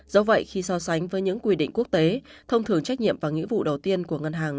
do vậy khi so sánh với những quy định quốc tế thông thường trách nhiệm và nghĩa vụ đầu tiên của ngân hàng